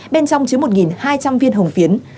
bên trong chứa một hai trăm linh viên hồng phiến